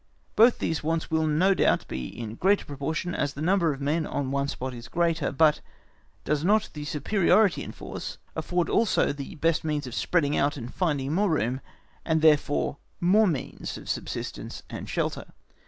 Both these wants will no doubt be greater in proportion as the number of men on one spot is greater. But does not the superiority in force afford also the best means of spreading out and finding more room, and therefore more means of subsistence and shelter?